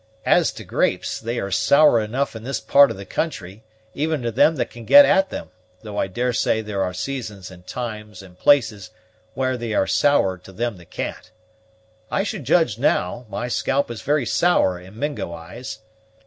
As to grapes, they are sour enough in this part of the country, even to them that can get at them, though I daresay there are seasons and times and places where they are sourer to them that can't. I should judge, now, my scalp is very sour in Mingo eyes."